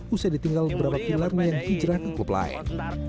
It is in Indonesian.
usai ditinggal beberapa pilarnya yang hijrah ke klub lain